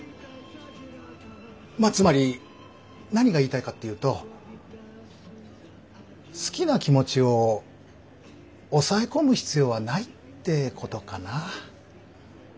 まあつまり何が言いたいかっていうと好きな気持ちを抑え込む必要はないってことかな。